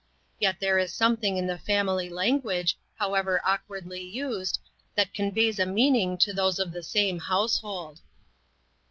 Yet there is something in the family language, however awkwardly used, that conveys a meaning to those of the same household.